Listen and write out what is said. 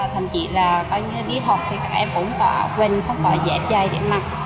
thậm chí là đi học thì các em cũng có quên không có dẹp dài để mặc